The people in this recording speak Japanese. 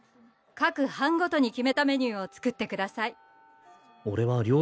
各班ごとに決めたメニューを作ってください。